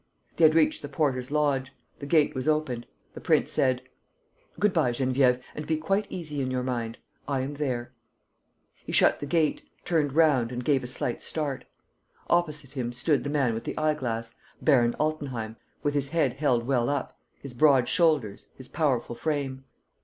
They had reached the porter's lodge. The gate was opened. The prince said: "Good bye, Geneviève, and be quite easy in your mind. I am there." He shut the gate, turned round and gave a slight start. Opposite him stood the man with the eye glass, Baron Altenheim, with his head held well up, his broad shoulders, his powerful frame.